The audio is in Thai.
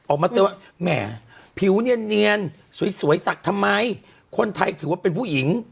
ออกมาเตือนว่าแหมผิวเนียนสวยสักทำไมคนไทยถือว่าเป็นผู้หญิง